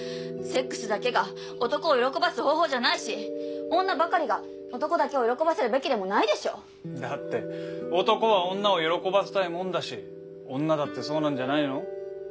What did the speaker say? セックスだけが男を喜ばす方法じゃないし女ばかりが男だけを喜ばせるべきでもないでしょ⁉だって男は女を喜ばせたいもんだし女だってそうなんじゃないの？